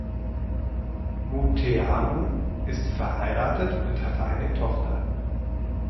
Munteanu ist verheiratet und hat eine Tochter.